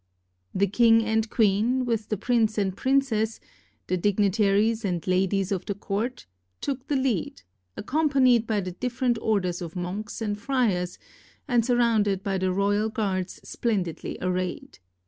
The king and queen, with the prince and princess, the dignitaries and ladies of the court, took the lead, accompanied by the different or ders of monks and friars, and surrounded by the royal guards splendidly arrayed.